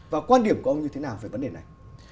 và quan điểm của ông như thế nào về vấn đề này